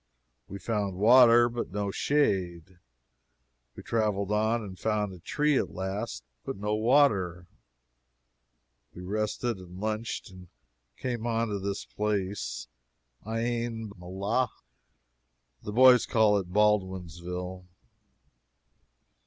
We found water, but no shade. We traveled on and found a tree at last, but no water. We rested and lunched, and came on to this place, Ain Mellahah (the boys call it Baldwinsville.)